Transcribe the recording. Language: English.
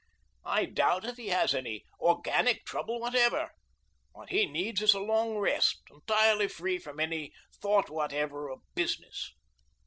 I doubt if he has any organic trouble whatever. What he needs is a long rest, entirely free from any thought whatever of business.